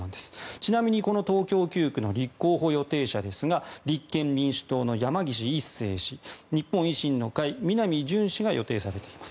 ちなみに東京９区の立候補予定者ですが立憲民主党の山岸一生氏日本維新の会、南純氏が予定されています。